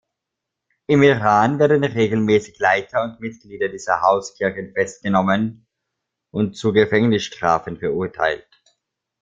Im Iran werden regelmäßig Leiter und Mitglieder dieser Hauskirchen festgenommen und zu Gefängnisstrafen verurteilt.